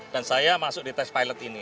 dan saya masuk di test pilot ini